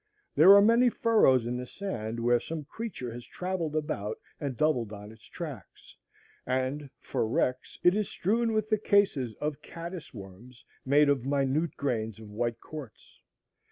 There are many furrows in the sand where some creature has travelled about and doubled on its tracks; and, for wrecks, it is strewn with the cases of cadis worms made of minute grains of white quartz.